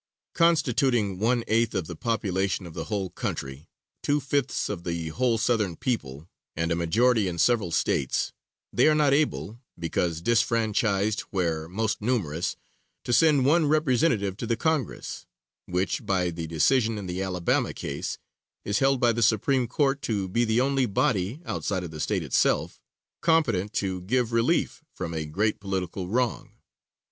Constituting one eighth of the population of the whole country, two fifths of the whole Southern people, and a majority in several States, they are not able, because disfranchised where most numerous, to send one representative to the Congress, which, by the decision in the Alabama case, is held by the Supreme Court to be the only body, outside of the State itself, competent to give relief from a great political wrong.